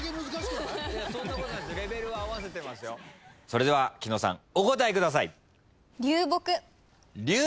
それでは紀野さんお答えください。